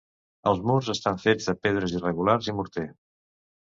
Els murs estan fets de pedres irregulars i morter.